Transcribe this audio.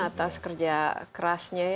atas kerja kerasnya